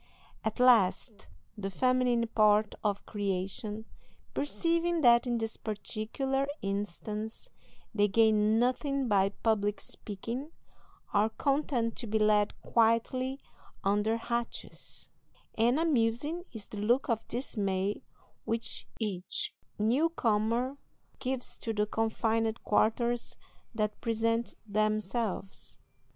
At last the feminine part of creation, perceiving that, in this particular instance, they gain nothing by public speaking, are content to be led quietly under hatches; and amusing is the look of dismay which each new comer gives to the confined quarters that present themselves.